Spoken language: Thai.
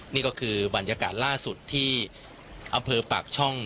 นี่ก็คือบรรยากาศล่าสุดที่อำเภอปากช่อง